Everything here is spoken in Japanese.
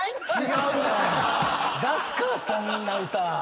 出すかそんな歌。